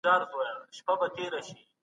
کله چي مېلمانه راغلل، موږ ډوډۍ چمتو کړې وه.